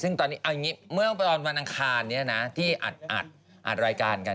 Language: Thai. ซึ่งเมื่อวันบรรคานที่อัดรายการกัน